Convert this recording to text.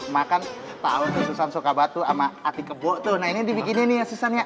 makan pak untuk susan sokabatu ama arti kebo tuh nah ini dibikin ini ya susahnya